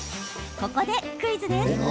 ここでクイズです！